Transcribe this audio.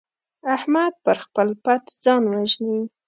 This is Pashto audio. احمد پر خپل پت ځان وژني.